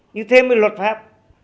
như thế mới luật pháp